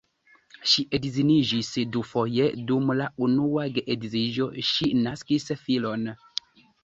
Ŝi edziniĝis dufoje, dum la unua geedziĝo ŝi naskis filon.